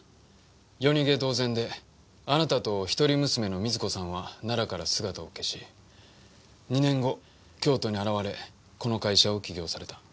夜逃げ同然であなたと一人娘の瑞子さんは奈良から姿を消し２年後京都に現れこの会社を起業された。